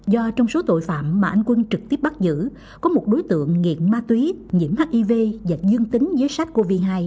do trong số tội phạm mà anh quân trực tiếp bắt giữ có một đối tượng nghiện ma túy nhiễm hiv và dương tính với sars cov hai